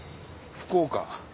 福岡。